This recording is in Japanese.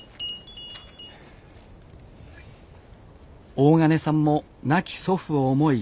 大鐘さんも亡き祖父を思い